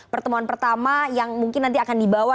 pertemuan pertama yang mungkin nanti akan dibawa